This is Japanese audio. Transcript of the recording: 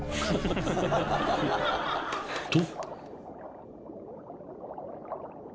［と］